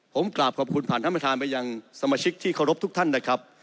ผมกราบขอบคุณผ่านท่านประธานไปยังสมาชิกที่เคารพทุกท่านนะครับ